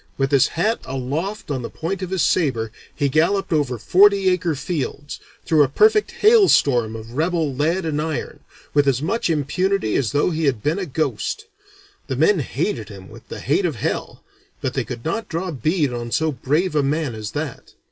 With his hat aloft on the point of his saber he galloped over forty acre fields, through a perfect hailstorm of rebel lead and iron, with as much impunity as though he had been a ghost. The men hated him with the hate of hell, but they could not draw bead on so brave a man as that.